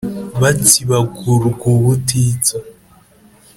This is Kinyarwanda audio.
batsibagurwa ubutitsa